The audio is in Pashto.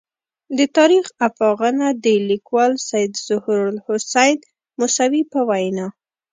د تاریخ افاغنه د لیکوال سید ظهور الحسین موسوي په وینا.